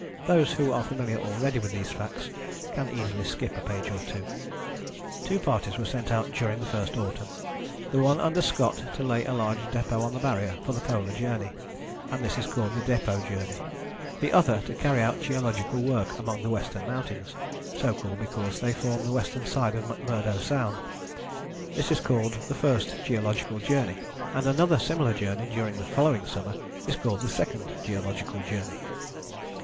Those who are familiar already with these facts can easily skip a page or two. Two parties were sent out during the first autumn: the one under Scott to lay a large depôt on the Barrier for the Polar Journey, and this is called the Depôt Journey; the other to carry out geological work among the Western Mountains, so called because they form the western side of McMurdo Sound: this is called the First Geological Journey, and another similar journey during the following summer is called the Second Geological Journey.